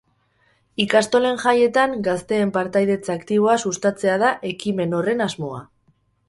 Ikastolen jaietan gazteen partaidetza aktiboa sustatzea da ekimen horren asmoa.